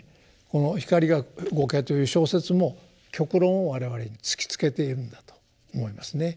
この「ひかりごけ」という小説も極論を我々に突きつけているんだと思いますね。